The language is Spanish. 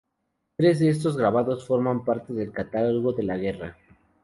Tres de estos grabados forman parte del catálogo "De la guerra.